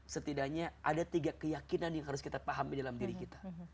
setidaknya ada tiga keyakinan yang harus kita pahami dalam diri kita